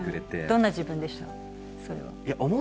どんな自分でした？